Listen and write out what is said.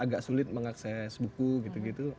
agak sulit mengakses buku gitu gitu